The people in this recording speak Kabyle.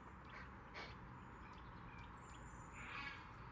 Imalas aya seg wasmi ay myussanen.